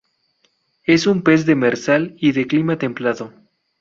Es un pez demersal y de clima templado.